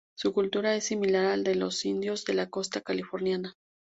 Su cultura es similar a la de los indios de la costa californiana.